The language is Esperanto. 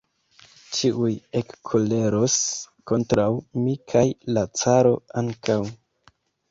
Ĉiuj ekkoleros kontraŭ mi kaj la caro ankaŭ!